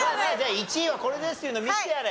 １位はこれですっていうの見せてやれ。